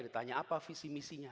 ditanya apa visi misinya